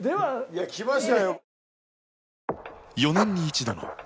いや来ましたよ。